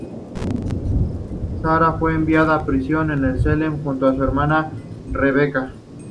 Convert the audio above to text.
Sarah fue enviada a prisión en Salem, junto a su hermana Rebecca.